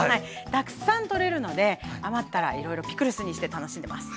たくさんとれるので余ったらいろいろピクルスにして楽しんでます。